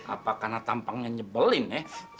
apa karena tampangnya nyebelin ya